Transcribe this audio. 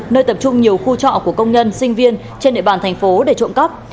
nơi tập trung nhiều khu trọ của công nhân sinh viên trên địa bàn thành phố để trộm cắp